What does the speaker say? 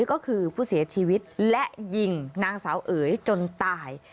ก็คือผู้เสียชีวิตและยิงนางสาวเอ๋ยจนตาย